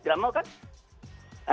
jangan mau kan